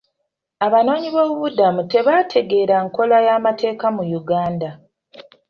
Abanoonyi boobubudamu tebategeera nkola y'amateeka mu Uganda